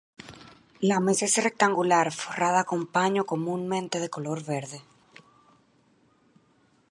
La mesa es rectangular, forrada con paño comúnmente de color verde.